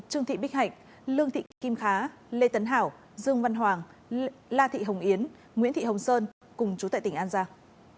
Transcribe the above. trương thị bích hạnh lương thị kim khá lê tấn hảo dương văn hoàng la thị hồng yến nguyễn thị hồng sơn cùng chú tại tỉnh an giang